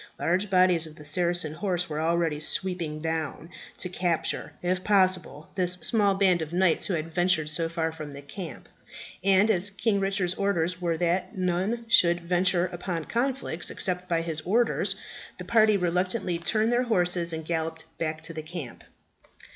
Large bodies of the Saracen horse were already sweeping down, to capture, if possible, this small band of knights who had ventured so far from the camp; and as King Richard's orders were that none should venture upon conflicts except by his orders, the party reluctantly turned their horses and galloped back to the camp.